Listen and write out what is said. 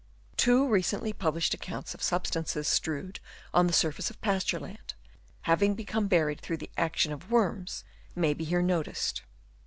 Two recently published accounts of sub stances strewed on the surface of pasture land, having become buried through the action of worms, may be here noticed.